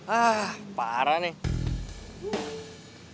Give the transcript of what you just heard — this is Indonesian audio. ah parah nih